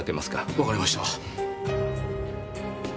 わかりました。